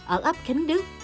ở ấp khánh đức